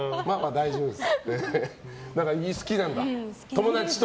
大丈夫です。